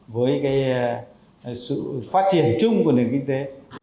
với sự phát triển chung của nền kinh tế